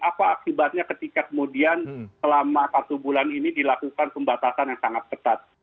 apa akibatnya ketika kemudian selama satu bulan ini dilakukan pembatasan yang sangat ketat